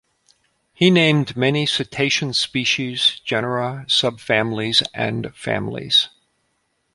He named many cetacean species, genera, subfamilies, and families.